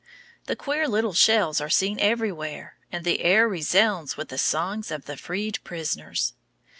The queer little shells are seen everywhere, and the air resounds with the songs of the freed prisoners.